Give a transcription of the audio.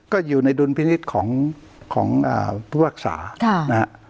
ก็อยู่ในดุลพินิษฐ์ของผู้ภาคศาสตร์นะฮะ